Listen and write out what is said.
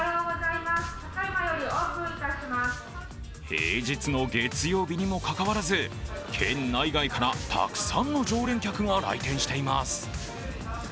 平日の月曜日にもかかわらず県内外からたくさんの常連客が来店しています。